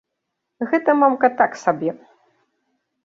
Гэта мамка так сабе!